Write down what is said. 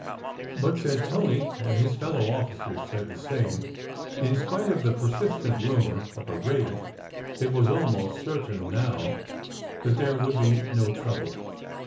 But, said Tony (and his fellow officers said the same), in spite of the persistent rumour of a raid, it was almost certain now that there would be no trouble.